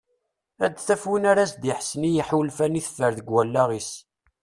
Ad taf d win ara as-d-iḥessen i yiḥulfan i teffer deg wallaɣ-is.